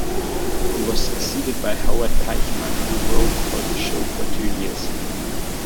He was succeeded by Howard Teichmann, who wrote for the show for two years.